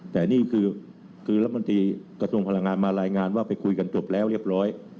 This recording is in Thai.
แต่นี่คือรัฐมนตรีกระทรวงพลังงานมารายงานว่าไปคุยกันจบแล้วเรียบร้อย